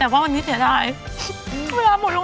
แต่วันนี้เสียดาย